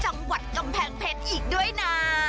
เพราะคลองกลุ่มจังหวัดกำแพงเพชรอีกด้วยนะ